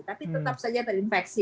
tapi tetap saja terinfeksi